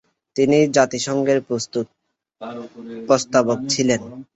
তিনি জাতিসংঘের প্রস্তাবক ছিলেন।